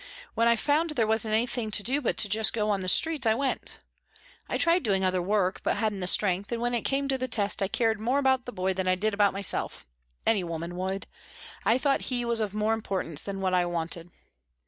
When I found there wasn't anything to do but just go on the streets, I went. I tried doing other work, but hadn't the strength, and when it came to the test I cared more about the boy than I did about myself any woman would. I thought he was of more importance than what I wanted.